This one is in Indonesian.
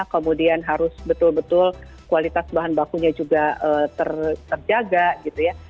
kemudian harus betul betul kualitas bahan bakunya juga terjaga gitu ya